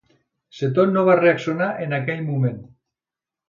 Seton no va reaccionar en aquell moment.